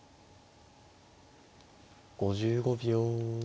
５５秒。